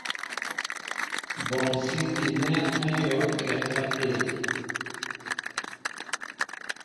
Mɓonsikinɛ ayōōakɛ até.